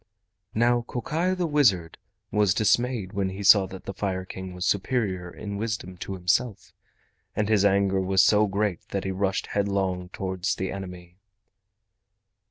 Now Kokai the wizard was dismayed when he saw that the Fire King was superior in wisdom to himself, and his anger was so great that he rushed headlong towards the enemy.